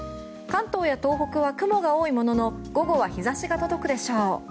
関東や東北は雲が多いものの午後は日差しが届くでしょう。